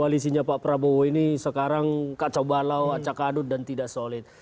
koalisinya pak prabowo ini sekarang kacau balau acak adut dan tidak solid